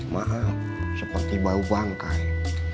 maaf seperti bau bangkai